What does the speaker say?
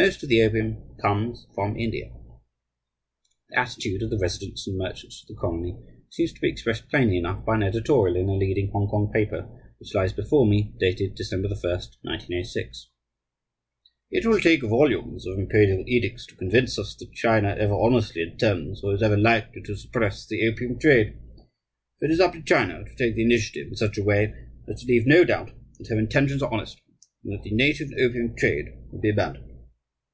Most of the opium comes from India." The attitude of the residents and merchants of the colony seems to be expressed plainly enough by an editorial in a leading Hongkong paper which lies before me, dated December 1, 1906: "It will take volumes of imperial edicts to convince us that China ever honestly intends or is ever likely to suppress the opium trade. It is up to China to take the initiative in such a way as to leave no doubt that her intentions are honest and that the native opium trade will be abandoned.